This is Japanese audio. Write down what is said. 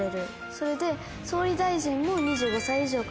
それで総理大臣も２５歳以上からなれる。